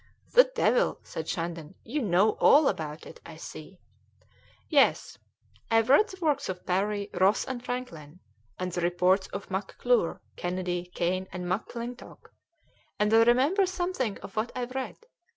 "The devil!" said Shandon. "You know all about it, I see." "Yes. I've read the works of Parry, Ross, and Franklin, and the reports of McClure, Kennedy, Kane, and McClintock, and I remember something of what I've read.